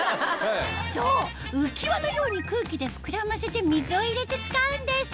そう浮輪のように空気で膨らませて水を入れて使うんです